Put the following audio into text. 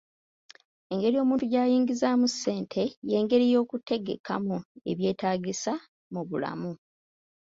Engeri omuntu gy'ayingizaamu ssente y'engeri y'okutegekamu ebyetaagisa mu bulamu.